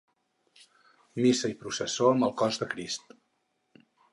Missa i Processó amb el Cos de Crist.